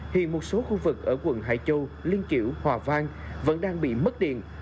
hiện một số khu vực ở quận hải châu liên kiểu hòa vang vẫn đang bị mất điện